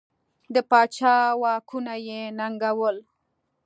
د پاچا واکونه یې ننګول.